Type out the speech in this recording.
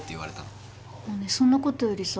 そんなことよりさ